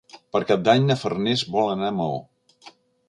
Per Cap d'Any na Farners vol anar a Maó.